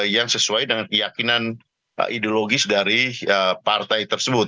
yang sesuai dengan keyakinan ideologis dari partai tersebut